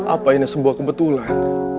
apa ini sebuah kebetulan